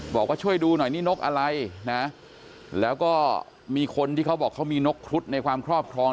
บอกว่าช่วยดูหน่อยนี่นกอะไรนะแล้วก็มีคนที่เขาบอกเขามีนกครุฑในความครอบครอง